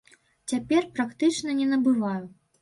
Цяпер практычна не набываю.